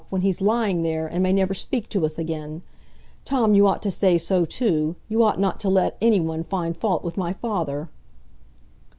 —when he's lying there, and may never speak to us again. Tom, you ought to say so too; you ought not to let any one find fault with my father."